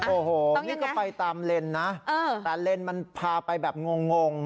โอ้โหนี่ก็ไปตามเลนนะแต่เลนมันพาไปแบบงง